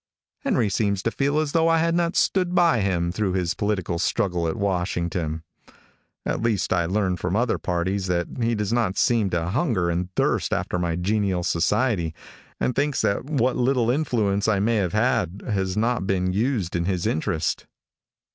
Henry seems to feel as though I had not stood by him through his political struggle at Washington. At least I learn from other parties that he does not seem to hunger and thirst after my genial society, and thinks that what little influence I may have had, has not been used in his interest.